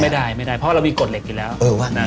ไม่ได้เพราะเราอีกกฏเหล็กอีกแล้ว